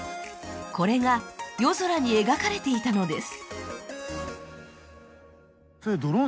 これが夜空に描かれていたのです。